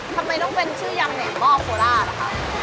ทำไมต้องเป็นชื่อยำแหน่มหมอกโคราชล่ะครับ